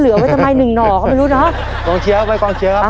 ไว้ทำไมหนึ่งหน่อก็ไม่รู้เนอะกองเชียร์ไว้กองเชียร์ครับ